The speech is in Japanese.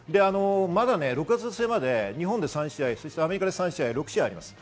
６月末まで日本で３試合、アメリカで３試合、６試合あります。